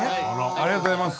ありがとうございます。